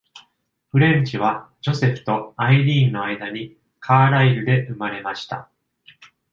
フレンチは、ジョセフとアイリーンの間にカーライル.で生まれました。